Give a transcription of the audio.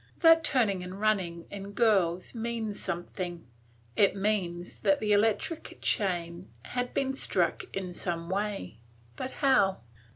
That turning and running in girls means something; it means that the electric chain had been struck in some way; but how?